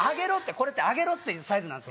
これって上げろってサインなんです。